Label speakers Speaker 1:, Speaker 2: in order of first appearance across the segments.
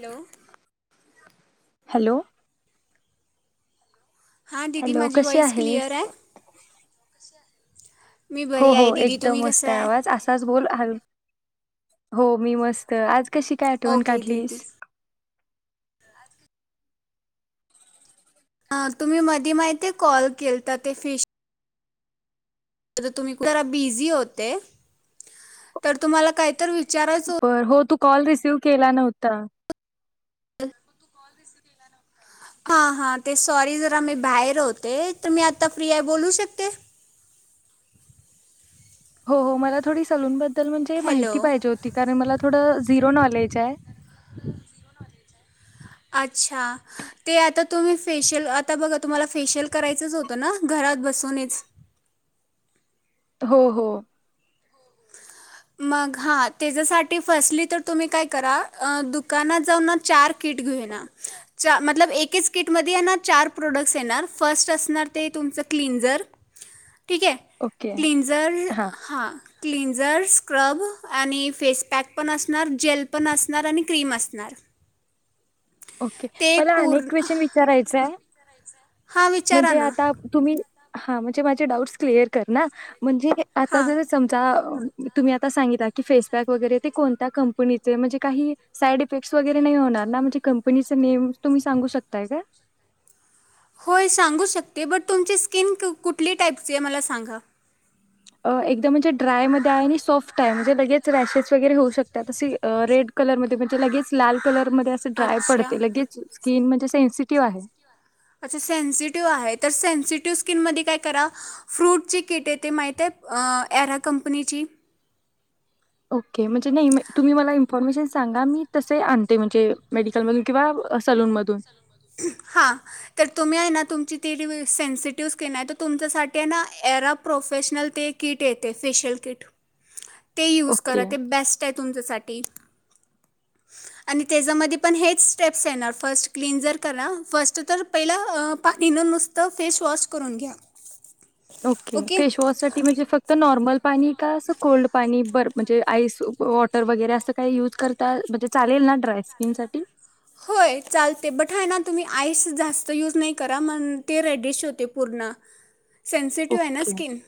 Speaker 1: Hello
Speaker 2: hello
Speaker 1: हां दिदी
Speaker 2: hello
Speaker 1: माझी
Speaker 2: कशी
Speaker 1: वॉईस
Speaker 2: आहेस
Speaker 1: क्लिअर आहे. मी
Speaker 2: हो
Speaker 1: बरी
Speaker 2: हो
Speaker 1: आहे दिदी
Speaker 2: एकदम
Speaker 1: तुम्ही
Speaker 2: मस्त
Speaker 1: कसं
Speaker 2: आहे, आवाज असाच बोल हळु हो मी मस्त आज कशी काय आठवण
Speaker 1: ओके दिदी
Speaker 2: काढलीस?
Speaker 1: ह तुम्ही मधी माहिती कॉल केलता, ते फिश तुम्ही जरा बिझी होते तर तुम्हाला काहीतर वि
Speaker 2: बर हो, तू कॉल रिसिव्ह केला नव्हता.
Speaker 1: हा हा ते सॉरी जरा मी बाहेर होते तर मी आता फ्री आहे बोलू शकते.
Speaker 2: हो हो मला थोडी सलून बद्दल तर म्हणजे मला
Speaker 1: हॅलो
Speaker 2: माहिती पाहिजे होती, कारण मला थोड झीरो नॉलेज हाय.
Speaker 1: अच्छा ते आता तुम्ही फेशियल आता बघा, तुम्हाला फेशियल करायचंच होतं ना घरात बसूनीच.
Speaker 2: हो हो,
Speaker 1: मग हा त्येजासाठी फर्स्टली तर तुम्ही काय करा दुकानात जाऊन ना चार किट घेऊन या मतलब एकेच किटमध्ये आहे ना चार प्रोडक्ट्स येणार फर्स्ट असणार ते तुमचं क्लिनजर ठीक आहे
Speaker 2: ओके
Speaker 1: क्लींजर हां, क्लींजर्स, स्क्रब आणि फेस पॅक पण असणार जेल पण असणार आणि क्रीम असणार
Speaker 2: ओके
Speaker 1: ते एक
Speaker 2: मला अनेक
Speaker 1: पूर्ण
Speaker 2: क्वेश्चन विचारायचाय.
Speaker 1: हां विचारा
Speaker 2: म्हणजे
Speaker 1: ना
Speaker 2: आता तुम्ही, हा म्हणजे माझे डाऊट्स क्लिअर कर ना, म्हणजे आता
Speaker 1: हां
Speaker 2: जर समजा तुम्ही आता सांगितला की फेसपॅक वगैरे ते कोणत्या कंपनीचे म्हणजे काही साईड इफेक्ट्स वगैरे नाही होणार ना, म्हणजे कंपनीचे नेम तुम्ही सांगू शकताय का
Speaker 1: होय सांगू शकते बट तुमची स्किन कुठली टाईपची आहे, मला सांगा.
Speaker 2: अं एकदम म्हणजे ड्राय मध्ये आहे आणि सॉफ्ट आहे म्हणजे लगेच रॅशेस वगैरे होऊ शकतात तस रेड कलरमध्ये म्हणजे लगेच लाल कलर मध्ये असे ड्राय
Speaker 1: अच्छा
Speaker 2: पडते लगेच स्किन म्हणजे सेन्सिटिव्ह आहे.
Speaker 1: अच्छा सेन्सिटिव्ह आहे तर सेन्सिटिव्ह स्किनमध्ये काय करा फ्रूटची किट आहे, ते माहित आहे ॲरा कंपनीची
Speaker 2: ओके म्हणजे नाही तुम्ही मला इन्फॉर्मेशन सांगा मी तसे आणते म्हणजे मेडिकलमधून किंवा सलून मधून
Speaker 1: हां तर तुम्ही आहे ना तुमची ती सेन्सिटिव्ह स्किन आहे तर तुमच्यासाठी आहे ना एरा प्रोफेशनल ते किट येते फेशियल किट ते यूज करा
Speaker 2: ओके.
Speaker 1: ते बेस्ट आहेच, तुमच्यासाठी आणि त्याच्यामध्ये पण हेच स्टेप येणार फस्ट क्लीनजर करा. फस्ट तर पहिला [unintelligible] नुसत फेसवॉश करून घ्या.
Speaker 2: ओके फेसवॉश साठी म्हणजे फक्त नॉर्मल पाणी का असं कोल्ड पाणी बर म्हणजे आईस वॉटर वगैरे असं काही युज करता म्हणजे चालेल ना ड्राय स्किन साठी?
Speaker 1: होय चालते बट है ना तुम्ही आईस जास्त यूज नाही करा मण ते रेडिश होते पूर्ण सेनसिटिव आहे ना
Speaker 2: ओके.
Speaker 1: स्किन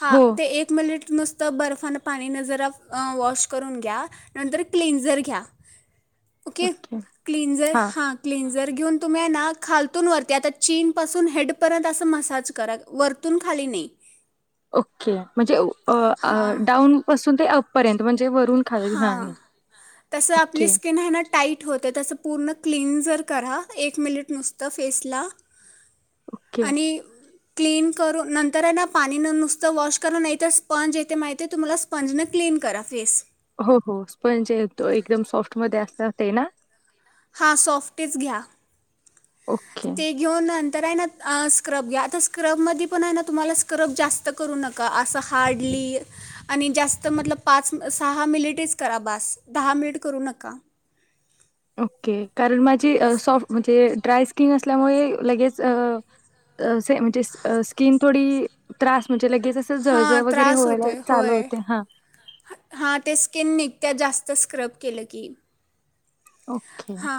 Speaker 1: हां
Speaker 2: हो.
Speaker 1: ते एक मिलिट मस्त बर्फानं पाणीनं जरा आ वॉश करून घ्या नंतर क्लीनझर घ्या. ओके क्लीनजर
Speaker 2: हां.
Speaker 1: हा क्लीनजर घेऊन तुम्ही हाय ना खालतून वरती आता चीन पासून हेड पर्यंत अस मसाज करा वरतून खाली नाही.
Speaker 2: ओके म्हणजे अउ अ आ
Speaker 1: हां
Speaker 2: डाउन पासून ते अप पर्यंत म्हणजे वरून खाली हा
Speaker 1: हां
Speaker 2: नाही
Speaker 1: तसं आपली
Speaker 2: ओके.
Speaker 1: स्किन आहे ना टाईट होते तसं पूर्ण क्लिनजर करा एक मिलिट नुसतं फेसला
Speaker 2: ओके.
Speaker 1: आणि क्लीन करू नंतर आहे ना पाणी नं नुसतं वॉश करा नाहीतर स्पंज येते माहिती आहे तुम्हाला स्पंज ने क्लीन करा फेस.
Speaker 2: हो हो स्पंज येतो एकदम सॉफ्ट मध्ये असतं ते ना
Speaker 1: हां सॉफ्टच घ्या.
Speaker 2: ओके,
Speaker 1: ते घेऊन नन तर आहे ना आ स्क्रब घ्या, आता स्क्रबमध्ये पण आहे ना तर तुम्हाला स्क्रब जास्त करू नका असं हार्डली आणि जास्त मतलब पाच-सहा मिलीटेच करा बस दहा मिनिट करू नका.
Speaker 2: ओके. क्लीन असल्यामुळे लगेच अ असे म्हणजे इस स्किन थोडी त्रास म्हणजे लगेच असं
Speaker 1: हां
Speaker 2: जळजळ वैगरे
Speaker 1: त्रास
Speaker 2: होयला
Speaker 1: होतोय होय
Speaker 2: चालू होते हा
Speaker 1: त्या जास्त स्क्रब केलं की
Speaker 2: ओके.
Speaker 1: हा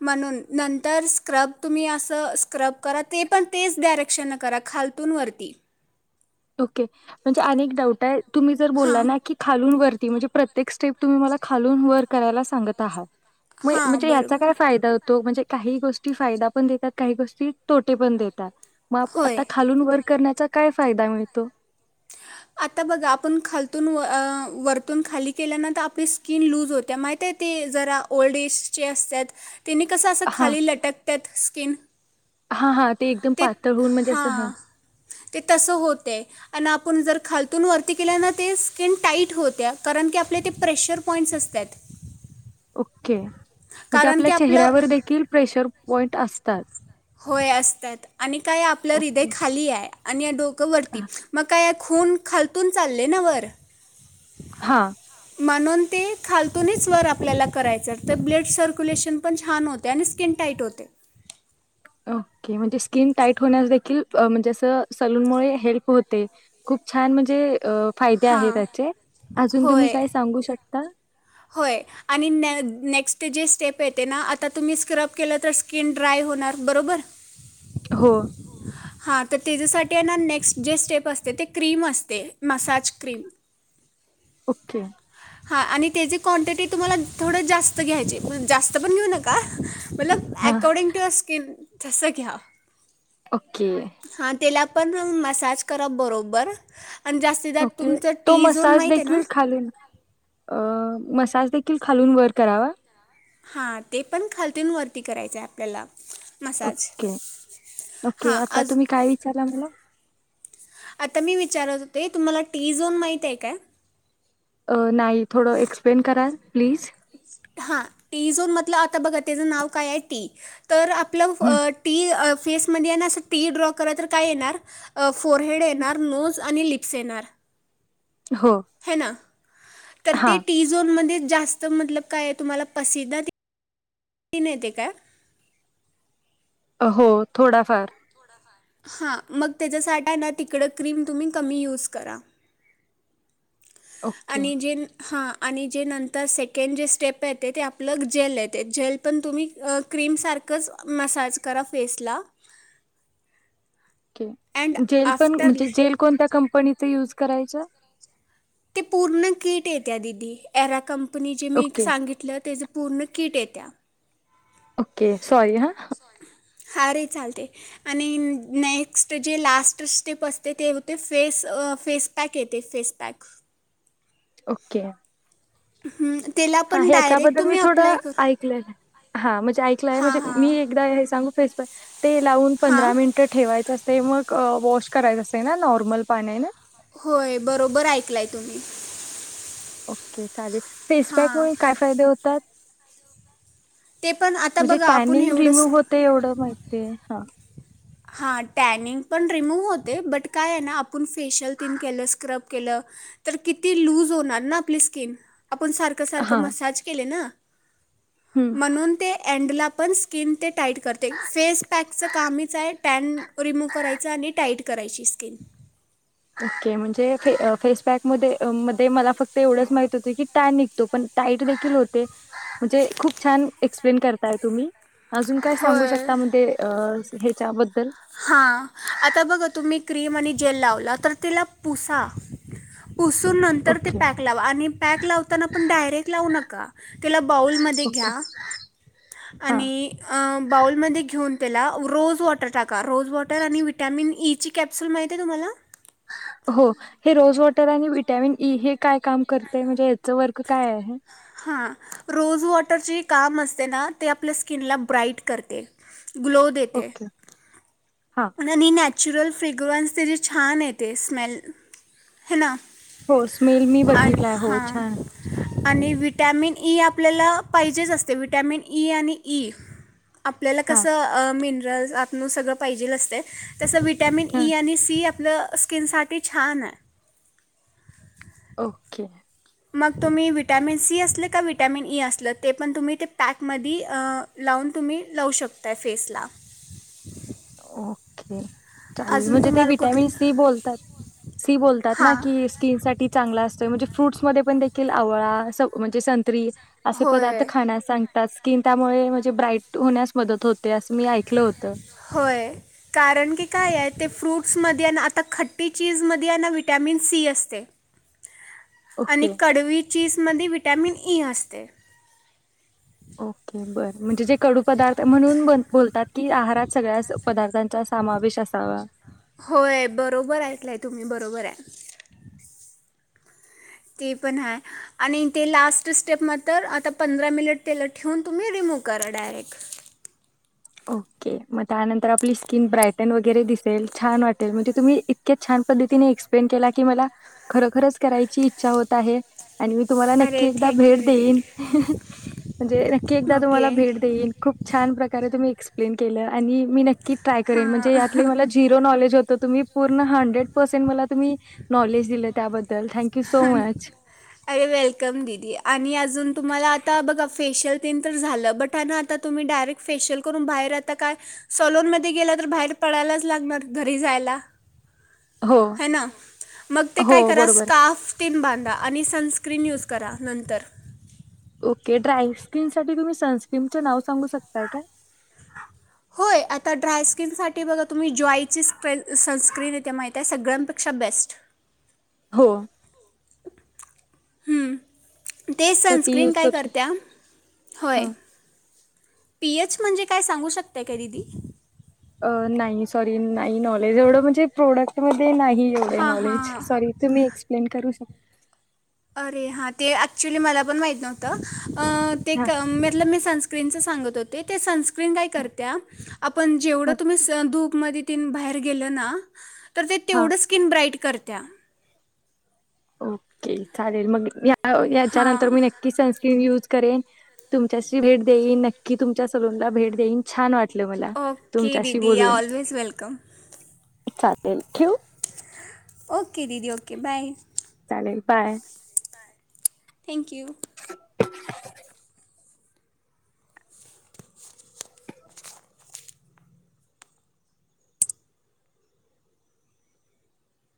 Speaker 1: म्हणून नंतर स्क्रब तुम्ही असं स्क्रब करा ते पण तेच डायरेक्शन न करा खालतून वरती.
Speaker 2: के, म्हणजे अनेक डाऊट आहे तुम्ही जर बोलला
Speaker 1: हां
Speaker 2: ना की खालून वर ती म्हणजे प्रत्येक स्टेप तुम्ही मला खालून वर करायला सांगत आहात म
Speaker 1: हां
Speaker 2: म्हणजे याचा
Speaker 1: बरोबर
Speaker 2: काय फायदा होतो म्हणजे काही गोष्टी फायदा पण देतात काही गोष्टी तोटे पण देतात मग
Speaker 1: होय
Speaker 2: आता खालून वर करण्याचा काय फायदा मिळ तो
Speaker 1: आता बघा आपण खालतून व आ वरतून खाली केल्यानंतर आपली स्किन लूज होते माहितय ते जरा ओल्ड एजचे असतात तिने कसं असं
Speaker 2: हां.
Speaker 1: खाली लटकतात स्किन
Speaker 2: हां, हां. एकदम
Speaker 1: ते
Speaker 2: पातळ होऊन म्हणजे असं
Speaker 1: हां ते तसं होतं आणि आप पण जर खालतून वरती केल्यान ते स्किन टाइट होत्या कारण की आपले ते प्रेशर पॉईंट्स असत्यात.
Speaker 2: ओके म्हणजे आपल्या
Speaker 1: आपलं
Speaker 2: चेहऱ्यावर देखील प्रेशर पॉइंट असतात
Speaker 1: होय असतात आणि काय आपलं हृदय
Speaker 2: ओके.
Speaker 1: खाली आहे आणि या डोकंवरती मग काय खून खालतून चाले ना वर
Speaker 2: हां.
Speaker 1: म्हणून ते खालतूनीच वर आपल्याला करायचं तर ब्लड सर्क्युलेशन पण छान होते आणि स्किन टाईट होते.
Speaker 2: ओके म्हणजे स्किन टाईट होण्यास देखील अ म्हणजे असं सलूनमुळे हेल्प होते खूप छान म्हणजे अ फायदे आहे
Speaker 1: हां
Speaker 2: त्याचे अजून तुम्ही
Speaker 1: होय
Speaker 2: काय सांगू शकता?
Speaker 1: होय आणि न नेक्स्ट जे स्टेप येते ना आता तुम्ही स्क्रब केलं तर स्किन ड्राय होणार बरोबर.
Speaker 2: हो.
Speaker 1: हा तर त्याच्यासाठी ना नेक्स्ट जे स्टेप असते ते क्रीम असते मसाज क्रीम.
Speaker 2: ओके.
Speaker 1: हा आणि त्याची क्वांटिटी तुम्हाला थोडं जास्त घ्यायची जास्त पण घेऊ नका. मतलब
Speaker 2: हां,
Speaker 1: एकॉर्डिंग टू अ स्किन तसं घ्या
Speaker 2: ओके.
Speaker 1: हां त्याला पण मसाज करा बरोबर आणि जास्तीत जास्त
Speaker 2: ओके
Speaker 1: तुमचं
Speaker 2: तो
Speaker 1: टी झोन
Speaker 2: मसाज
Speaker 1: माहीत आहे ना
Speaker 2: देखील खालीन अ मसा तास देखील खालून वर करावा.
Speaker 1: हा ते पण खालतून वरती करायचं आहे आपल्याला मसाज
Speaker 2: ओके-ओके
Speaker 1: हां
Speaker 2: आता
Speaker 1: आज
Speaker 2: तुम्ही काय विचारल मला?
Speaker 1: ते तुम्हाला टी झोन माहीतीय का?
Speaker 2: अ, नाही थोडं एक्सप्लेन कराल प्लीज
Speaker 1: हा टी झोन मधलं आता बघा त्याचं नाव काय हाय टी तर आपलं फ
Speaker 2: हं,
Speaker 1: अ टी अ फेसमध्ये ना असं टी ड्रॉ करा तर काय येणार फोरहेड येणार नोज आणि लिप्स येणार.
Speaker 2: हो.
Speaker 1: है ना तर ते
Speaker 2: हां.
Speaker 1: टी झोन मध्ये जास्त मतलब काय तुम्हाला पसिदा तीन येते काय?
Speaker 2: अहो थोडा फार.
Speaker 1: हा मग त्याच्यासाठया ना तिकडं क्रीम तुम्ही कमी यूज करा.
Speaker 2: ओके,
Speaker 1: आणि जेन हां आणि जे नंतर सेकंड जे स्टेप येते ते आपलं जेल येते, जेल पण तुम्ही अ क्रीमसारखंच मसाज करा फेसला अँड
Speaker 2: जेल पण
Speaker 1: आफ्टर
Speaker 2: म्हणजे जेल कोणत्या कंपनी युज करायचा.
Speaker 1: ते पूर्ण किट येत्या दिदी ऐरा कं नीची मी
Speaker 2: ओके.
Speaker 1: सांगितलं त्याजा पूर्ण कीट येत्या.
Speaker 2: ओके सॉरी हा.
Speaker 1: हा रे चालते आणि नेक्स्ट जे लास्ट स्टेप असते ते होते फेस अ फेसपॅक येते फेसपॅक.
Speaker 2: ओके.
Speaker 1: हम्म.
Speaker 2: हा ह्याच्याबद्दल मी थोडं ऐकलय हा म्हणजे ऐकलंय
Speaker 1: हां
Speaker 2: म्हणजे मी
Speaker 1: हां
Speaker 2: एकदा हे सांगु फेसपॅक ते लावून
Speaker 1: हां
Speaker 2: पंधरा मिनिटं ठेवायचं अस ते मग वॉश करायचं ना नॉर्मल पाण्याने
Speaker 1: होय बरोबर ऐकलाय तुम्ही
Speaker 2: ओके चालेल
Speaker 1: हां
Speaker 2: फेसपॅकमुळे काय फायदे होतात
Speaker 1: ते पण आता
Speaker 2: म्हणजे
Speaker 1: बघा आपण
Speaker 2: टॅनिंग
Speaker 1: एवढंच
Speaker 2: रिमूव्ह होतय एवढं माहीतीये
Speaker 1: हा टॅनिंग पण रिमूव्ह होते बट काय आहे ना आपण फेशियल पण केलं स्क्रब केलं तर किती लूज होणार ना आपली स्किन आपण सारखं सारखं
Speaker 2: हां.
Speaker 1: मसाज केले ना
Speaker 2: हं.
Speaker 1: म्हणून ते अँडला पण स्किन ते टाईट करते फेसपॅकचं कामच आहे टॅन रिमूव्ह करायचा आणि टाईट करायची स्किन
Speaker 2: ओके म्हणजे फेसपॅक मध्ये मध्ये मला फक्त एवढंच माहित होत की टाय निघतो पण टाईट देखील होते म्हणजे खूप छान एक- करताय तुम्ही अजून काय सांगू
Speaker 1: होय
Speaker 2: शकता मध्ये अ ह्याच्याबद्दल
Speaker 1: हां आता बघा तुम्ही क्रीम आणि जेल लावला तर तिला पुसा पुसून नंतर ते
Speaker 2: ओके
Speaker 1: पॅक लावा आणि पॅक लावताना पण डायरेक्ट लावू नका त्याला बाऊलमध्ये
Speaker 2: ओके
Speaker 1: घ्या
Speaker 2: हा
Speaker 1: आणि अ बाऊलमध्ये घेऊन त्याला रोजवॉटर टाक रोजवॉटर आणि व्हिटॅमिन ई ची कॅप्सुल महीती आहे तुम्हाला
Speaker 2: हो हे रोजवॉटर आणि विटमिन ई हे काय काम करते म्हणजे याचं वर्क काय आहे हे
Speaker 1: हां रोजवॉटरचे काम असते ना ते आपल्या स्किनला ब्राईट करते ग्लो देते
Speaker 2: ओके हा
Speaker 1: नॅचरल फ्रेग्रंस ते जे छान येते तेे स्मेल हे ना
Speaker 2: हो स्मेल मी
Speaker 1: आणि
Speaker 2: बघितलाय हो
Speaker 1: हां
Speaker 2: छान
Speaker 1: आणि व्हिट व्हिटॅमिन ई आपल्याला पाहिजेच असते विटॅमिन ई आणि ई आपल्याला
Speaker 2: हा
Speaker 1: कसं अ मिन सगळं पाहिजेल असतय तसं विटॅमिन
Speaker 2: हा
Speaker 1: ई आणि सी आप आपलं स्किनसाठी छान य
Speaker 2: ओके
Speaker 1: मग तुम्ही विटॅमिन सी असले का विटॅमिन ई असलं ते पण तुम्ही ते पॅकमधी अ लावून तुम्ही लावू शकताय फेसला
Speaker 2: अ [inaudible] चालेल
Speaker 1: अजून
Speaker 2: म्हणजे ते
Speaker 1: तुम्हाला कुठली
Speaker 2: विटॅमिन सी बोलतात सी बोलतात ना
Speaker 1: हां
Speaker 2: की स्किन साठी चांगला असतोय म्हणजे फ्रूट्समध्ये पण ते आवळा स म्हणजे संत्री. असे पदार्थ
Speaker 1: होय
Speaker 2: खाण्यास सांगतात. स्किन त्यामुळे म्हणजे ब्राईट होण्यास मदत होते असं मी ऐकलं होतं.
Speaker 1: होय कारण की काय आहे ते फ्रूट्समध्ये ना आता खट्टी चीजमध्ये आहे ना विटॅमिन सी असते. आणि
Speaker 2: ओके
Speaker 1: कडवी चिज. मधी विटॅमिन ई असते.
Speaker 2: ओके बर म्हणजे जे कडू पदार्थ, म्हणून बोलतात की आहारात सगळ्याच पदार्थांचा सामावेश असावा.
Speaker 1: होय बरोबर ऐकलंय तुम्ही बरोबर य. ते पण हाय आणि ते लास्ट स्टेप नंतर आता पंधरा मिनिट त्याला ठेवून तुम्ही रिमूव करा डायरेक्ट.
Speaker 2: ओके मग त्यानंतर आपली स्किन ब्रायटन वगैरे दिसेल छान वाटेल, म्हणजे तुम्ही इतक्या छान पद्धतीने एक्सप्लेन केला की मला खरोखरच करायची इच्छा होत आहे. आणि मी तुम्हाला नक्की
Speaker 1: अरे
Speaker 2: एकदा
Speaker 1: थँक्यू
Speaker 2: भेट
Speaker 1: दीदी
Speaker 2: देईन, म्हणजे नक्की एकदा
Speaker 1: ओके
Speaker 2: तुम्हाला भेट देईन, खूप छान प्रकारे तुम्ही. एक्सप्लेन केल्या आणि मी नक्की ट्राय करेन म्हणजे यातले
Speaker 1: हां
Speaker 2: मला झिरो नॉलेज होतं तुम्ही पूर्ण हंड्रेड पर्से ते मला तुम्ही नॉलेज दिल त्याबद्द
Speaker 1: अरे वेलकम दीदी आणि अजून तुम्हाला आता बघा फेशियल. क्लीन तर झाल बट हायन आता तुम्ही डायरेक्ट फेशियल करून बाहेर येता काय सलून मध्ये गेल तर बाहेर पडायलाच लागणार घरी जायला.
Speaker 2: हो,
Speaker 1: हाय ना मग ते काय
Speaker 2: हो
Speaker 1: करा
Speaker 2: बरोबर.
Speaker 1: स्कार्फ ते न बांधा आणि सन स्क्रीन यूज करा नंतर.
Speaker 2: ओके ड्राय स्किन साठी तुम्ही सनस्क्रीमच नाव सांगू शकताय काय.
Speaker 1: होय आता ड्राय स्किनसाठी बघा तुम्ही जॉईची सनस्क्रीन येते माहितीय आहे सगळ्यांपेक्षा बेस्ट.
Speaker 2: हो
Speaker 1: हूं ते
Speaker 2: तर ती
Speaker 1: सनस्क्रीन
Speaker 2: यूज
Speaker 1: काय
Speaker 2: करू शक
Speaker 1: करत्या
Speaker 2: हा
Speaker 1: होय पीएच म्हणजे काय सांगू शकतेय काय दिदी.
Speaker 2: अ नाही सॉरी नाही नॉलेज एवढं म्हणजे प्रोडक्ट म. नाही एवढे
Speaker 1: हां हां
Speaker 2: नॉलेज
Speaker 1: हां
Speaker 2: सॉरी तुम्ही एक्सप्लेन करू शकता.
Speaker 1: अरे हां ते ॲक्च्युली मला पण माहीत नव्हतं. अं ते
Speaker 2: हा
Speaker 1: क मतलब मी सनस्क्रीनच. सांगत होते ते सन स्क्रीन काय करत्या आपण जेवढ
Speaker 2: हा
Speaker 1: तुम्ही स धूप मध्ये तीन बाहेर गेल ना. तर ते
Speaker 2: हा
Speaker 1: तेवढं स्किन ब्राईट करत. त्या
Speaker 2: चालेल मग याच्यानंतर
Speaker 1: हां
Speaker 2: मी नक्कीच सनस्क्रीन युज करेन तुमच्याशी भेट देईन नक्की तुमच्या सलून ला भेट देईन छान वाट
Speaker 1: ओके दिदी ऑलवेज वेलकम.
Speaker 2: ठेऊ
Speaker 1: ओ ओके दिदी ओके बाय.
Speaker 2: चालेल बाय.
Speaker 1: Thank you.
Speaker 2: [inaudible]